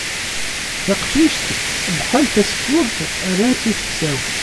Taqcict abḥal tasekkurt, rran-tt i tkessawt